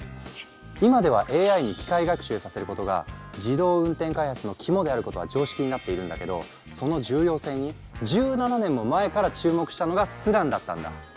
今ではＡＩに機械学習させることが自動運転開発の肝であることは常識になっているんだけどその重要性に１７年も前から注目したのがスランだったんだ。